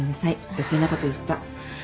余計なこと言った。